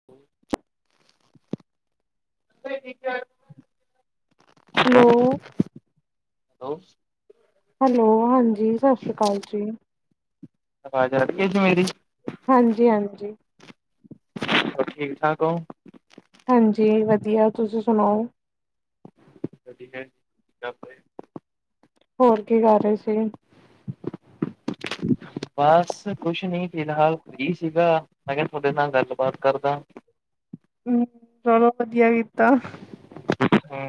[inaudible] Hello hello hello ਹਾਂਜੀ ਸਾਸਰੀਕਾਲ ਜੀ ਅਵਾਜ ਆ ਰੀ ਜੀ ਮੇਰੀ ਹਾਂਜੀ-ਹਾਂਜੀ ਹੋਰ ਠੀਕ-ਠਾਕ ਓ? ਹਾਂਜੀ ਵਧੀਆ ਤੁਸੀਂ ਸੁਣਾਓ। [inaudible] ਹੋਰ ਕੀ ਕਰ ਰੇ ਸੀ? ਬਾਸ ਕੁਛ ਨੀ ਫਿਲਹਾਲ ਫ੍ਰੀ ਸੀਗਾ। ਅਗਰ ਥੋਡੇ ਨਾਲ ਗੱਲਬਾਤ ਕਰਦਾ। ਹੂੰ ਚਲੋ ਵਧੀਆ ਕੀਤਾ। ਹੂੰ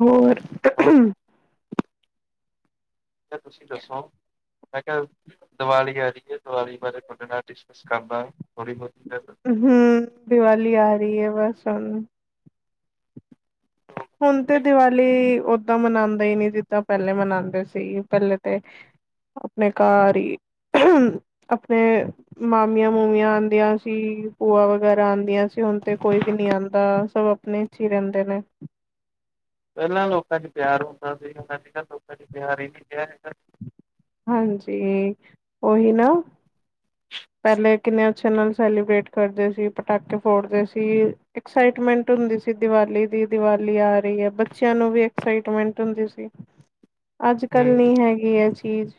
ਹੋਰ ਹੋਰ ਤੁਸੀਂ ਦੱਸੋ? ਮੈਂ ਕੇਆ ਦੀਵਾਲੀ ਆ ਰੀ ਆ। ਦੀਵਾਲੀ ਬਾਰੇ ਥੁਆਡੇ ਨਾਲ ਡਿਸਕਸ ਕਰਦਾ ਥੋੜ੍ਹੀ ਬੋਤੀ। ਹੂੰ ਦੀਵਾਲੀ ਆ ਰੀ ਐ ਬਸ ਹੁਣ ਹੁਣ ਤੇ ਦੀਵਾਲੀ ਓਦਾਂ ਮਨਾਂਦੇ ਈ ਨੀ ਜਿੱਦਾਂ ਪੈਲੇ ਮਨਾਂਦੇ ਸੀ। ਪੈਲੇ ਤੇ ਆਪਣੇ ਘਰ ਈ ਆਪਣੇ ਮਾਮੀਆਂ-ਮੂਮੀਆਂ ਆਂਦੀਆਂ ਸੀ। ਭੂਆ ਵਗੈਰਾ ਆਂਦੀਆਂ ਸੀ। ਹੁਣ ਤੇ ਕੋਈ ਵੀ ਨੀ ਆਂਦਾ ਸਭ ਆਪਣੇ ਚ ਈ ਰੈਦੇ ਨੇ ਪੈਲਾਂ ਲੋਕਾਂ ਚ ਪਿਆਰ ਹੁੰਦਾ ਸੀ। ਅੱਜ-ਕੱਲ੍ਹ ਲੋਕਾਂ ਚ ਪਿਆਰ ਈ ਨਈ ਰਿਆ ਹੈਗਾ। ਹਾਂਜੀ ਓਹੀ ਨਾ ਪੈਲੇ ਕਿੰਨੇ ਅਛੇ ਨਾਲ ਸੈਲੀਬ੍ਰੇਟ ਕਰਦੇ ਸੀ। ਪਟਾਕੇ ਫੋੜਦੇ ਸੀ। ਐਕਸਾਈਟਮੈਂਟ ਹੁੰਦੀ ਸੀ। ਦੀਵਾਲੀ ਦੀ, ਦੀਵਾਲੀ ਆ ਰੀ ਆ। ਬੱਚਿਆਂ ਨੂੰ ਵੀ ਐਕਸਾਈਟਮੈਂਟ ਹੁੰਦੀ ਸੀ। [inaudible] ਅੱਜ-ਕੱਲ ਨੀ ਹੂੰ ਹੈਗੀ ਐ ਚੀਜ਼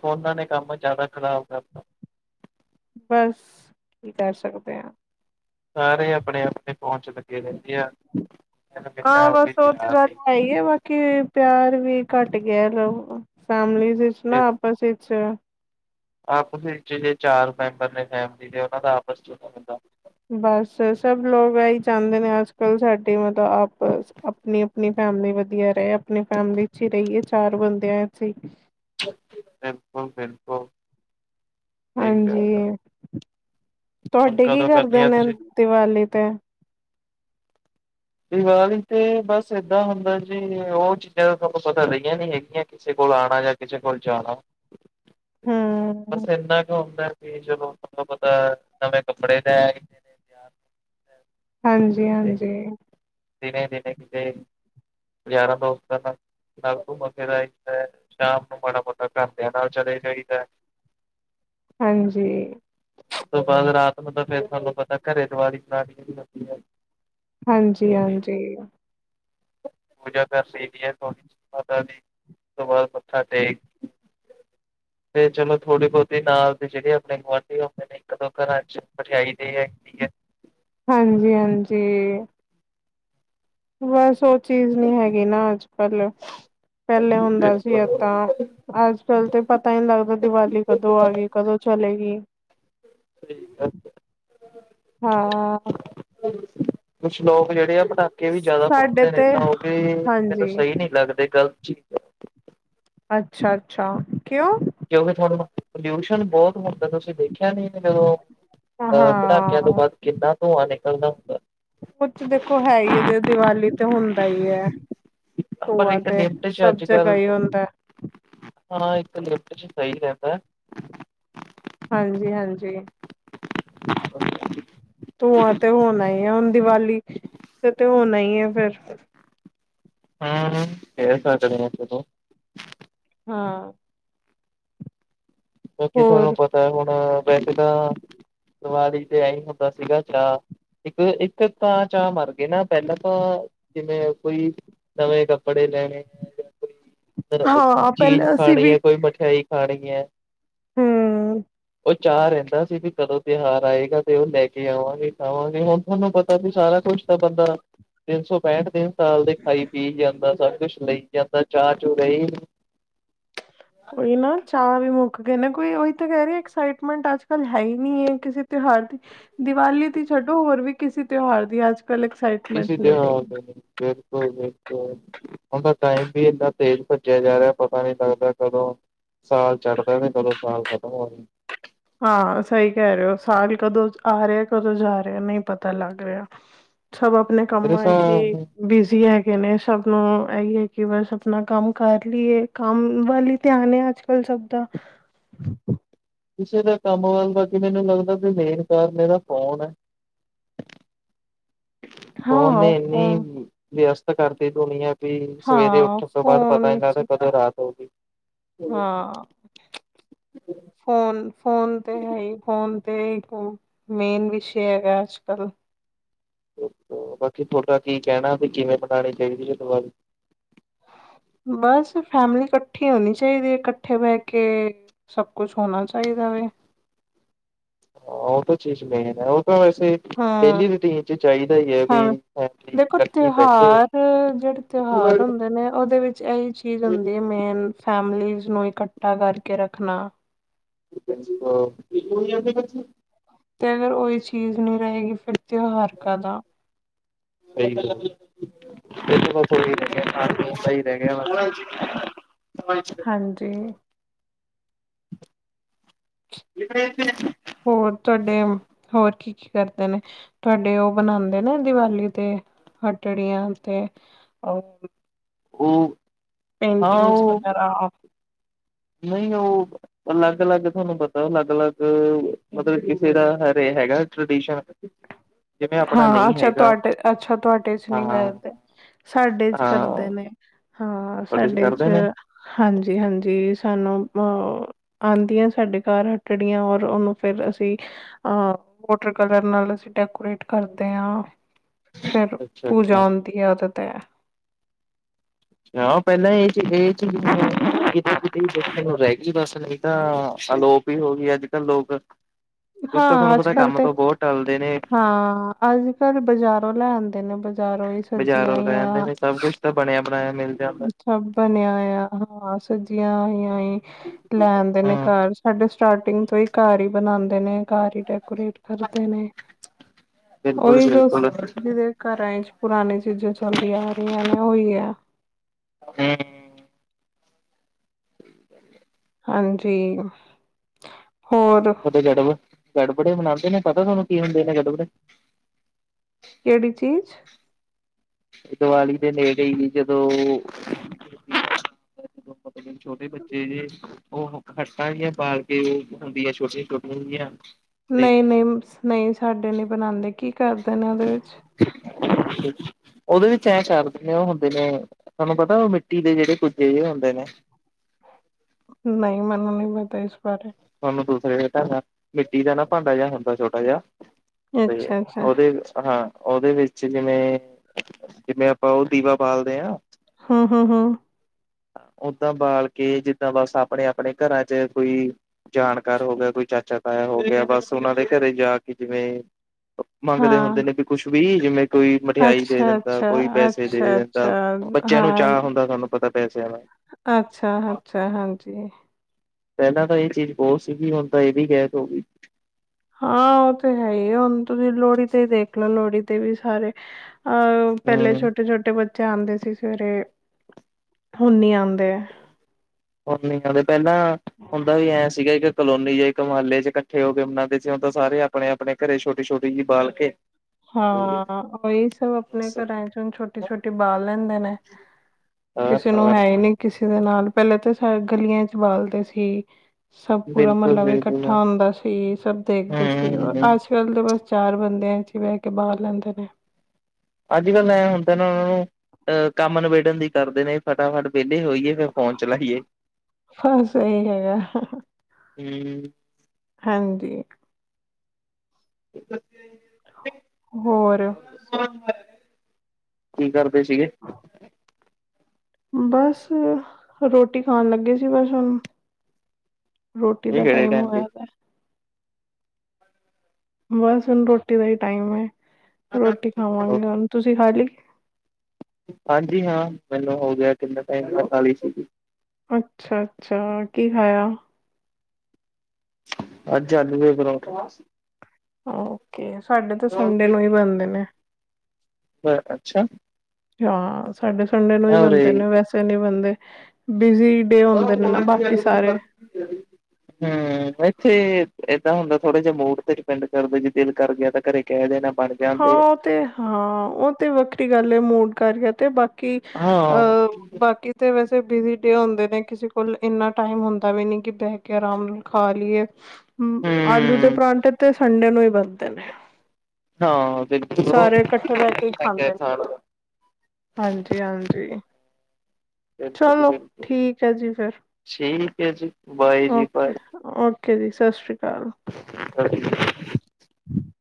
ਫੋਨਾਂ ਨੇ ਕੰਮ ਜ਼ਾਦਾ ਖ਼ਰਾਬ ਕਰ ਬਸ ਕੀ ਕਰ ਸਕਦੇ ਆ਼ ਸਾਰੇ ਆਪਣੇ ਆਪਣੇ ਫੋਨ ਚ ਲੱਗੇ ਰੈਦੇ ਆ ਮੈਨੂੰ ਆ ਕਹਿੰਦੇ [unintelligible] ਆਪਣੀ ਸੋਚ ਪਿਆਰ ਨੀ ਹੈ ਈ ਐ ਬਸ ਕਿ ਪਿਆਰ ਵੀ ਘੱਟ ਗਿਆ ਲੋਕ ਫੈਮਲੀ ਵਿੱਚ ਨਾ ਆਪਸ ਵਿੱਚ ਆਪਸ ਵਿਚ ਜੇ ਚਾਰ ਮੈਂਬਰ ਨੇ ਫੈਮਲੀ ਦੇ ਓਨਾਂ ਦਾ ਆਪਸ ਚ ਨੀ ਬਣਦਾ ਬਸ ਸਭ ਲੋਕ ਆਈ ਚਾਂਦੇ ਨੇ ਅੱਜ ਕੱਲ ਸਾਡੀ ਮਤਲਬ ਆਪਸ ਆਪਣੀ ਨਈ ਫੈਮਲੀ ਵਧੀਆ ਰਏ ਆਪਣੀ ਫੈਮਿਲੀ ਚ ਈ ਰਈਏ ਚਾਰ ਬੰਦਿਆਂ ਚ ਈ ਬਿਲਕੁਲ ਬਿਲਕੁਲ ਸਹੀ ਗੱਲ ਹਾਂਜੀ ਹੈ ਹੁਣ ਤੁਹਾਡੇ ਕੀ ਕਦੋਂ ਕਰਨੀ ਕਰਦੇ ਆ ਨੇ ਤੁਸੀਂ ਦੀਵਾਲੀ ਤੇ ਦੀਵਾਲੀ ਤੇ ਬਸ ਏਦਾਂ ਹੁੰਦਾ ਜੀ ਉਹ ਚੀਜ਼ਾਂ ਤੁਹਾਨੂੰ ਪਤਾ ਰਹੀਆਂ ਨੀ ਹੈਗੀਆਂ ਕਿਸੇ ਕੋਲ ਆਉਣਾ ਜਾਂ ਕਿਸੇ ਕੋਲ ਜਾਣਾ ਬਸ ਹੂੰ ਇੰਨਾ ਕੁ ਹੁੰਦਾ ਵੀ ਜਦੋ ਤੁਤਾ ਪਤਾ ਨਵੇਂ ਕੱਪੜੇ ਲੈ ਆਦੇ ਨੇ ਤਰ ਹਾਂਜੀ ਹਾਂਜੀ ਦਿਨੇ ਦਿਨੇ ਕਿਤੇ ਯਾਰਾਂ ਦੋਸਤ ਨਾਂਲ ਘੁਮਫਿਰ ਆਈਦਾ ਸਾਮ ਨੂੰ ਮਾੜਾ ਮੋਟਾ ਘਰ ਦਿਆ ਨਾਲ ਚਲੇ ਜਾ ਈਦਾ [inaudible] ਹਾਂਜੀ ਉਸ ਤੋਂ ਬਾਅਦ ਰਾਤ ਨੂੰ ਤਾ ਥੋਨੂੰ ਪਤਾ ਘਰੇ ਦੀਵਾਲ਼ੀ ਸਟਾਰਟ ਕੀਤੀ ਜਾਦੀ ਆ ਹਾਂਜੀ ਹਾਂਜੀ ਪੂਜਾ ਕਰ ਲਈ ਦੀ ਮਾਤਾ ਦੀ ਉਸ ਤੋ ਬਾਦ ਮੱਤਾ ਟੇਕ ਫ਼ੇਰ ਚਲੋ ਥੋੜ੍ਹੀ ਬਹੁਤੀ ਨਾਲ ਦੀ ਜਿਹੜੇ ਆਪਣੇ ਗੁਆਂਢੀ ਹੁੰਦੇ ਨੇ ਇੱਕ ਦੋ ਘਰਾਂ ਚ ਮਠਿਆਈ ਦੇ ਆਈ ਦੀ ਆ ਹਾਜੀ ਹਾਂਜੀ ਬਸ ਉਹ ਚੀਜ਼ ਨੀ ਹੈਗੀ ਨਾ ਅੱਜ ਕੱਲ ਪਹਿਲੇ ਹੁੰਦਾ ਸੀ ਇਹ ਤਾਂ ਅੱਜ ਕੱਲ ਤੇ ਪਤਾ ਹੀ ਨਹੀਂ ਲੱਗਦਾ ਦੀਵਾਲੀ ਕਦੋਂ ਆ ਗਈ ਕਦੋਂ ਚਲੇਗੀਈ ਹਾਂ ਆ ਕੁਛ ਲੋਕ ਜਿਹੜੇ ਆਪਣਾ ਵੀ ਜ਼ਿਆਦਾ ਸਾਡੇ ਪਹੁੰਚਦੇ ਨੇ ਤੇ ਉਹ ਵੀ ਮੈਨੂੰ ਹਾਂਜੀ ਸਹੀ ਨਹੀਂ ਲੱਗਦੇ ਗਲਤ ਚੀਜ ਅੱਛਾ - ਅੱਛਾ, ਕਿਉਂ ਕਿਉਂਕਿ ਤੁਹਾਨੂੰ ਪੋਲਿਊਸ਼ਨ ਬਹੁਤ ਹੁੰਦਾ ਤੁਸੀਂ ਦੇਖਿਆ ਨਹੀਂ ਜਦੋਂ ਅਹ ਹਾਂ ਪਟਾਕਿਆਂ ਤੋਂ ਬਾਅਦ ਕਿੰਨਾ ਧੂੰਆ ਨਿਕਲਦਾ ਹੁੰਦਾ ਕੁਝ ਦੇਖੋ ਹੈ ਹੀ ਜ ਦੀਵਾਲੀ ਤੇ ਹੁੰਦਾ ਹੀ ਹੈ ਪਰ ਧੂੰਆ ਇੱਕ ਤੇ ਲਿਮਟ ਚ ਸਭ ਅੱਜ ਜਗ੍ਹਾ ਕੱਲ੍ਹ ਹੀ ਹੁੰਦਾ ਹਾਂ ਇੱਕ ਗ ਚ ਸਹੀ ਰਹਿੰਦਾ ਹਾਂਜੀ -ਹਾਂਜੀ [unintelligible] ਧੂੰਆਂ ਤੇ ਹੋਣਾ ਹੀ ਆ ਹੁਣ ਦੀਵਾਲੀ ਤੇ ਤੇ ਹੋਣਾ ਹੀ ਹੈ ਫੇਿਰ ਹਮ ਇਹ ਸਾਡੇ ਹਾਂ ਕਿਉਕਿ ਤੁਹਾਨੂੰ ਹੋਰ ਪਤਾ ਹੁਣ ਵੈਸੇ ਤਾਂ ਦਿਵਾਲੀ ਤੇ ਆਈ ਹੀ ਹੁੰਦਾ ਸੀਗਾ ਚ ਇੱਕ ਇੱਕ ਤਾਂ ਚਾਹ ਮਰ ਗਏ ਨਾ ਪਹਿਲਾਂ ਤਾਂ ਜਿਵੇਂ ਕੋਈ ਨਵੇਂ ਕੱਪੜੇ ਲੈਣੇ ਫਿਰ ਹਾਂ ਚੀਜ਼ ਪਹਿਲੇ ਅਸੀਂ ਖਾਣੀ ਵੀ ਆ ਕੋਈ ਮਠਿਆਈ ਖਾਣੀ ਏ ਹਮ ਉਹ ਚਾਹ ਰਹਿੰਦਾ ਸੀ ਵੀ ਕਦੋਂ ਤਿਉਹਾਰ ਆਏਗਾ ਤੇ ਉਹ ਲੈ ਕੇ ਆਵਾਂਗੇ ਖਾਵਾਂਗੇ ਹੁਣ ਤੁਹਾਨੂੰ ਪਤਾ ਵੀ ਸਾਰਾ ਕੁਛ ਹੁਣ ਤਾਂ ਬੰਦਾ ਤਿੰਨ ਸੌ ਪੈਂਹਠ ਦਿਨ ਸਾਲ ਦੇ ਖਾਈ ਪੀ ਜਾਂਦਾ ਸਭ ਕੁਛ ਲਈ ਜਾਂਦਾ ਚਾਅ- ਚੂ ਰਹੀ ਨੀ ਉਹੀ ਨਾ ਚਾਹ ਵੀ ਮੁੱਕ ਗਏ ਨਾ ਕੋਈ ਉਹੀ ਤਾਂ ਕਹਿ ਰਹੀ ਐਕਸਾਈਟਮੈਂਟ ਅੱਜ ਕੱਲ ਹੈ ਹੀ ਨਹੀਂ ਹੈ। ਕਿਸੇ ਤਿਉਹਾਰ ਦੀ ਦੀਵਾਲੀ ਦੀ ਛੱਡੋ ਹੋਰ ਵੀ ਕਿਸੇ ਤਿਉਹਾਰ ਦੀ ਅੱਜ ਕੱਲ ਐਕਸਾਈ ਕਿਸੇ ਤਿਉਹਾਰ ਦੀ ਬਿਲਕੁਲ- ਬਿਲਕੁਲ ਉਹਦਾ ਟਾਈਮ ਵੀ ਇਨਾ ਤੇਜ਼ ਭੱਜਿਆ ਜਾ ਰਿਹਾ ਪਤਾ ਨਹੀ ਲੱਗਦਾ ਕਦੋਂ ਸਾਲ ਚੜਦਾ ਤੇ ਕਦੋਂ ਸਾਲ ਖਤਮ ਹੋ ਗਿਆ। ਹਾਂ ਸਹੀ ਕਹਿ ਰਹੇ ਹੋ ਸਾਲ ਕਦੋਂ ਆ ਰਿਹਾ ਕਦੋਂ ਜਾ ਰਿਹਾ ਨਹੀਂ ਪਤਾ ਲੱਗ ਰਿਹਾ ਸਭ ਆਪਣੇ ਕੰਮ ਮੇਰੇ ਇਥੇ ਹਿਸਾਬ ਬਿਜੀ ਹੈਗੇ ਨੇ ਸਭ ਨੂੰ ਇਹੀ ਕਿ ਬਸ ਆਪਣਾ ਕੰਮ ਕਰ ਲਈਏ। ਕੰਮ ਵੱਲ ਹੀ ਧਿਆਨ ਹੈ ਅੱਜ ਕੱਲ ਸਭ ਦਾ [inaudible] ਕਿਸੇ ਦਾ ਕੰਮ ਵੱਲ ਬਾਕੀ ਮੈਨੂੰ ਲੱਗਦਾ ਵੀ ਮੇਨ ਕਾਰਨ ਇਹਦਾ ਫੋਨ ਹੈ। ਹਾਂ ਫੋਨ ਨੇ ਉਹ ਇੰਨੀ ਵਿਅਸਤ ਕਰਦੀ ਦੁਨੀਆਂ ਵੀ ਸਵੇਰੇ ਹਾਂ ਉੱਠਣ ਤੋਂ ਬਾਅਦ ਫੋਨ ਪਤਾ ਵਿੱਚ ਲੱਗਦਾ ਕਦੋਂ ਰਾਤ ਹੋ ਗਈ ਹਾਂ ਫੋਨ ਫੋਨ ਤੇ ਹੈ ਹੀ ਫੋਨ ਤੇ ਇਕ ਉਹ ਮੇਨ ਵਿਸ਼ੇ ਹੈਗਾ ਅੱਜ ਕੱਲ ਬਾਕੀ ਤੁਹਾਡਾ ਕੀ ਕਹਿਣਾ ਵੀ ਕਿਵੇਂ ਬਣਾਉਣੀ ਚਾਹੀਦੀ ਐ ਦਿਵਾਲੀ ਬਸ ਫੈਮਲੀ ਇਕੱਠੀ ਹੋਣੀ ਚਾਹੀਦੀ ਇਕੱਠੇ ਬਹਿ ਕੇ ਸਭ ਕੁਛ ਹੋਣਾ ਚਾਹੀਦਾ ਵੇ ਹਾਂ ਉਹ ਤਾਂ ਚੀਜ਼ ਮੇਨ ਹੈ ਉਹ ਤਾਂ ਵੈਸੇ ਡੇਲੀ ਹਾਂ ਰੂਟੀਨ ਚ ਚਾਹੀਦਾ ਹੀ ਹੈ ਵੀ, ਫੈਮਲੀ ਦੇਖੋ ਇਕੱਠੇ ਬੈਠੇ। ਤਿਉਹਾਰ ਜਿਹੜੇ ਸਹੀ ਤਿਉਹਾਰ ਗੱਲ ਹੁੰਦੇ ਨੇ ਉਹਦੇ ਵਿੱਚ ਇਹੀ ਚੀਜ਼ ਹੁੰਦੀ ਹੈ ਮੇਨ ਫੈਮਲੀਜ਼ ਨੂੰ ਇਕੱਠਾ ਕਰਕੇ ਰੱਖਣਾ ਭੈਣ ਜੀ ਵੋ [unintelligible] ਤੇ ਅਗਰ ਉਹੀ ਚੀਜ਼ ਨਹੀਂ ਰਹੇਗੀ ਫਿਰ ਤਿਉਹਾਰ ਕਾਹਦਾ ਸਹੀ ਗੱਲ [unintelligible] ਦੇਖੋ ਉਹ ਸਹੀ ਰਹਿ ਗਿਆ ਤਾਂ [unintelligible] ਹਾਂਜੀ [unintelligible] ਹੋਰ ਤੁਹਾਡੇ ਹੋਰ ਕੀ ਕੀ ਕਰਦੇ ਨੇ ਤੁਹਾਡੇ ਉਹ ਬਨਾਉਂਦੇ ਨੇ ਦੀਵਾਲੀ ਤੇ ਹਟੜੀਆਂ ਤੇ ਉਹ ਉਹ ਹਾਂ ਪੇਂਟਿੰਗਸ ਉਹ ਵਗੈਰਾ ਆ ਨਹੀਂ ਉਹ ਅਲੱਗ ਅਲੱਗ ਤੁਹਾਨੂੰ ਪਤਾ ਅਲੱਗ ਅਲੱਗ ਮਤਲਬ ਕਿਸੇ ਦਾ ਹਰੇ ਹੈਗਾ ਨਾ ਟ੍ਰਡੀਸ਼ਨ [unintelligible] ਆਪਣਾ ਹਾਂ ਨਹੀਂ ਅੱਛਾ ਹੈਗਾ ਤੁਹਾਡੇ ਅੱਛਾ ਤੁਹਾਡੇ ਚ ਹਾਂ ਨਹੀਂ ਕਰਦੇ ਸਾਡੇ ਚ ਹਾਂ ਕਰਦੇ ਨੇ ਹਾਂ। ਤੁਹਾਡੇ ਸਾਡੇ ਚ ਕਰਦੇ ਨੇ ਹਾਂਜੀ ਹਾਂਜੀ ਸਾਨੂੰ ਅ ਆਉਂਦੀਆਂ ਸਾਡੇ ਘਰ ਹੱਟੜੀਆਂ ਔਰ ਉਹਨੂੰ ਫਿਰ ਅਸੀਂ ਅ ਵੋਟਰ ਕਲਰ ਨਾਲ ਅਸੀਂ ਡੈਕੋਰੇਟ ਕਰਦੇ ਹਾਂ ਫਿਰ ਅੱਛਾ ਪੂਜਾ ਅੱਛਾ ਆਂਦੀ ਉਹਦੇ ਤੇ ਆ ਪਹਿਲਾਂ ਇਹ ਚੀ ਇਹ ਚੀਜ਼ [unintelligible] ਰਹਿ ਗਈ ਬੱਸ ਤਾਂ ਅਲੋਪ ਹੀ ਹੋ ਗਈ ਅੱਜ ਕੱਲ ਲੋਕ ਕੁਛ ਤਾਂ ਹਾਂ ਤੁਹਾਨੂੰ ਅੱਜ ਪਤਾ ਕੱਲ ਕੰਮ ਤੇ ਤੋਂ ਬਹੁਤ ਟਲਦੇ ਨੇ ਹਾਂ ਅੱਜ ਕੱਲ ਬਜਾਰੋਂ ਲੈ ਆਂਦੇ ਬਜਾਰੋਂ ਇਹ ਬਜ਼ਾਰੋਂ ਲੈ ਆਂਦੇ ਨੇ ਸਭ ਕੁਛ ਤਾਂ ਬਣਿਆ ਬਣਾਇਆ ਮਿਲ ਜਾਂਦਾ। ਸਭ ਬਣਿਆ ਹੋਇਆ ਆ ਹਾਂ ਸਬਜ਼ੀਆਂ ਹੋਈਆ ਹੋਈਆ ਲੈ ਆਉਂਦੇ ਨੇ ਹੂੰ ਘਰ। ਸਾਡੇ ਸਟਾਰਟਿੰਗ ਤੋਂ ਹੀ ਘਰ ਬਣਾਉਂਦੇ ਨੇ ਘਰ ਹੀ ਡੈਕੋਰੇਟ ਕਰਦੇ ਨੇ ਬਿਲਕੁਲ ਉਹੀ ਦੱਸ ਬਿਲਕੁਲ ਹੂੰ ਜਿਵੇਂ ਘਰਾਂ ਆਏ 'ਚ ਪੁਰਾਣੀ ਚੀਜ਼ਾਂ ਚੱਲਦੀਆਂ ਆ ਰਹੀਆਂ ਨੇ ਉਹੀ ਹੈ। [unintelligible] ਹਾਂਜੀ ਹੋਰ ਉਥੇ ਚਟਪਟ- ਚਟਪਟ ਮਨਾਉਦੇ ਨੇ ਪਤਾ ਤੁਹਾਨੂੰ ਕੀ ਹੁੰਦੇ ਨੇ ਚਟਪਟ ਕੇੜੀ ਚੀਜ਼? ਦੀਵਾਲੀ ਦੇ ਨੇੜੇ ਹੀ ਜਦੋਂ [unintelligible] [unintelligible] ਛੋਟੇ ਬੱਚੇ ਜੇ ਓਹ ਹੱਟਾਂ ਜੀਆਂ ਪਾਲ ਕੇ ਹੁੰਦੀਆਂ ਛੋਟੀਆਂ-ਛੋਟੀਆਂ ਜਿਆਂ। ਨਈ, ਨਈ, ਨਈ ਸਾਡੇ ਨੀ ਬਨਾਂਦੇ ਕੀ ਕਰਦੇ ਨੇ ਓਦੇ ਵਿੱਚ? [inaudible] ਓਦੇ ਵਿੱਚ ਐਂ ਕਰਦੇ ਨੇ ਓ ਹੁੰਦੇ ਨੇ ਤੁਆਨੂੰ ਪਤਾ ਓ ਮਿੱਟੀ ਦੇ ਜੇੜੇ ਕੁੱਜੇ ਜੇ ਹੁੰਦੇ ਨੇ ਨਈ, ਮੈਨੂੰ ਨੀ ਪਤਾ ਇਸ ਬਾਰੇ। ਤੁਆਨੁ ਦੂਸਰੇ ਢੰਗ ਨਾਲ ਮਿੱਟੀ ਦਾ ਨਾ ਭਾਂਡਾ ਜੇਆ ਹੁੰਦਾ ਛੋਟਾ ਜਾ। ਤੇ ਅੱਛਾ ਅੱਛਾ ਓਦੇ ਹਾਂ ਓਦੇ ਵਿੱਚ 'ਚ ਜਿਵੇਂ, ਜਿਵੇਂ ਆਪਾਂ ਓ ਬਾਲਦੇ ਆਂ ਹਾਂ, ਹਾਂ, ਹਾਂ। ਓਦਾਂ ਬਾਲ ਕੇ ਜਿੱਦਾਂ ਬਸ ਆਪਣੇ-ਆਪਣੇ ਘਰਾਂ 'ਚ ਕੋਈ ਜਾਣਕਾਰ ਹੋ ਗਯਾ, ਕੋਈ ਚਾਚਾ-ਤਾਇਆ ਹੋ ਗਯਾ, ਬਸ ਓਨਾਂ ਦੇ ਘਰੇ ਜਾ ਕੇ ਜਿਵੇਂ ਮੰਗਦੇ ਹਾਂ ਹੁੰਦੇ ਨੇ ਵੀ ਕੁਛ ਵੀ ਜਿਵੇਂ ਕੋਈ ਮਠਿਆਈ ਦੇ ਅੱਛਾ ਦੇਂਦਾ, ਅੱਛਾ ਕੋਈ ਪੈਸੇ ਦੇ ਅੱਛਾ ਦੇਂਦਾ, ਅੱਛਾ ਬੱਚੇਆਂ ਨੂੰ ਚਾਅ ਹੁੰਦਾ ਤੁਆਨੂੰ ਪਤਾ ਪੈਸਿਆਂ ਦਾ। ਅੱਛਾ-ਅੱਛਾ ਹਾਂਜੀ। ਪੈਲਾਂ ਤਾਂ ਐ ਚੀਜ਼ ਬੋਤ ਸੀਗੀ ਹੁਨ ਤਾਂ ਐ ਵੀ ਗੈਬ ਹੋ ਗੀ। ਹਾਂ ਓ ਤੇ ਹੈ ਈ ਏ, ਹੁਨ ਤੁਸੀਂ ਲੋੜੀ 'ਤੇ ਦੇਖ ਲੋ ਲੋੜੀ 'ਤੇ ਵੀ ਸਾਰੇ ਅਹ ਪੈਲੇ ਹਮ ਛੋਟੇ-ਛੋਟੇ ਬੱਚੇ ਆਂਦੇ ਸੀ ਸਵੇਰੇ ਹੁਨ ਨੀ ਆਂਦੇ। ਹੁਨ ਨੀ ਆਂਦੇ ਪੈਲਾਂ ਹੁੰਦਾ ਵੀ ਐਂ ਸੀ ਕਿ ਕਲੋਨੀ ਇੱਕ ਮਹੱਲੇ 'ਚ ਕੱਠੇ ਹੋ ਕੇ ਮਨਾਂਦੇ ਸੀ, ਹੁਨ ਤੇ ਸਾਰੇ ਅਪਨੇ-ਅਪਨੇ ਘਰੇ ਛੋਟੀ-ਛੋਟੀ ਜੀ ਬਾਲ ਕੇ ਤੇ ਹਾਂ, ਓਈ ਸਭ ਆਪਣੇ ਬਸ ਘਰਾਂ 'ਚ ਹੁਨ ਛੋਟੀ-ਛੋਟੀ ਬਾਲ ਲੈਂਦੇ ਨੇ। ਹੋਰ ਕਿਸੇ ਨੂੰ ਹੋਰ ਹੈ ਈ ਨਈ ਕਿਸੇ ਦੇ ਨਾਲ ਪੈਲੇ ਤੇ ਸ ਗਲੀਆਂ 'ਚ ਬਾਲਦੇ ਸੀ। ਸਭ ਪੂਰਾ ਮਹੱਲਾ ਵੀ ਬਿਲਕੁਲ-ਬਿਲਕੁਲ, ਹੂੰ, ਕੱਠਾ ਹੁੰਦਾ ਸੀ, ਸਭ ਦੇਖਦੇ ਸੀ ਔਰ ਅੱਜ ਕੱਲ ਦੇ ਬਸ ਚਾਰ ਬੰਦੇਆ 'ਚ ਈ ਬੈ ਕੇ ਬਾਲ ਲੈਂਦੇ ਨੇ। ਅੱਜ-ਕੱਲ ਤਾ ਐ ਹੁੰਦਾ ਨਾ ਓਨਾਂ ਨੂੰ ਅਹ ਕੰਮ ਨਿਬੇੜਣ ਦੀ ਕਰਦੇ ਨੇ, ਫਟਾਫਟ ਵੇਲੇ ਹੋਈਏ ਫਿਰ ਫੋਨ ਚਲਾਈਏ। ਬਸ ਏਈ ਹੈਗਾ, ਹੂੰ, ਹਾਂਜੀ। ਹੋਰ [unintelligible] ਕੀ ਕਰਦੇ ਸੀਗੇ? ਬਸ, ਰੋਟੀ ਖਾਨ ਲੱਗੇ ਸੀ ਬਸ ਹੁਨ ਰੋਟੀ ਇਹ ਦਾ ਕਿਹੜੇ ਟਾਈਮ ਦੇ ਹੋਏਆ ਦੈ। ਬਸ, ਹੁਨ ਰੋਟੀ ਦਾ ਈ ਟਾਈਮ ਏ, ਰੋਟੀ ਖਾਵਾਂਗੇ ਹੁਨ ਤੁਸੀਂ ਖਾਲੀ? ਹਾਂਜੀ ਹਾਂ ਮੈਨੂੰ ਹੋ ਗਯਾ ਕਿੰਨਾ ਟਾਈਮ ਮੈਂ ਖਾਲੀ ਸੀਗੀ। ਅੱਛਾ-ਅੱਛਾ ਕੀ ਖਾਇਆ? ਅੱਜ ਆਲੂ ਦੇ ਪਰੌਂਠੇ। ਓਕੇ, ਸਾਡੇ ਤੇ ਸੰਡੇ ਨੂੰ ਈ ਬਨਦੇ ਨੇ। ਬ ਅੱਛਾ। ਹਾਂ, ਸਾਡੇ ਸੰਡੇ ਨੂੰ ਈ ਮੈਂ ਉਰੇ ਬਨਦੇ ਨੇ ਵੈਸੇ ਨੀ ਬਨਦੇ ਬਿਜੀ ਡੇ ਹੁੰਦੇ ਨੇ ਹੂੰ, ਨਾ ਬਾਕੀ ਸਾਰੇ। [unintelligible] ਹੂੰ, ਐਥੇ ਏਦਾਂ ਹੁੰਦਾ ਥੋੜਾ ਜਾ ਮੂਡ ਤੇ ਡਿਪੈਂਡ ਕਰਦਾ ਜੇ ਦਿਲ ਕਰ ਗਯਾ ਤਾਂ ਘਰੇ ਕੈ ਦੇਨਾ ਬਣ ਹਾਂ ਜਾਂਦੇ ਐ। ਉਹ ਤੇ ਹਾਂ ਉਹ ਤੇ ਵੱਖਰੀ ਗੱਲ ਐ, ਮੂਡ ਕਰ ਗਿਆ ਤੇ ਬਾਕੀ ਹਾਂ, ਅਹ ਬਾਕੀ ਤੇ ਵੈਸੇ ਬਿਜੀ ਡੇ ਹੁੰਦੇ ਨੇ, ਕਿਸੇ ਕੋਲ ਇੰਨਾ ਟਾਈਮ ਹੁੰਦਾ ਵੀ ਨੀ ਕਿ ਬੈਹ ਕੇ ਆਰਾਮ ਨਾਲ ਖਾ ਲਈਏ। ਹੂ ਆਲੂ ਦੇ ਹੂੰ। ਪਰਾਂਠੇ ਤੇ ਸੰਡੇ ਨੂੰ ਈ ਬਣਦੇ ਨੇ। ਹਾਂ ਬਿਲਕੁਲ ਉਹ ਸਾਰੇ ਇਕੱਠੇ ਬੈਹ ਵਧੀਆ ਕੇ ਈ ਲੱਗਿਆ ਖਾਂਦੇ ਨ ਖਾਣਾ ਹਾਂਜੀ ਹਾਂਜੀ। ਬਿਲਕੁਲ ਚਲੋ ਬਿਲਕੁਲ ਠੀਕ ਐ ਜੀ ਫਿਰ ਠੀਕ ਹੈ ਜੀ ਬਾਏ ਜੀ ਓਕੇ। ਬਾਏ ਓਕੇ ਜੀ ਸਤਿ ਸ਼੍ਰੀ ਅਕਾਲ। [unintelligible] [inaudible]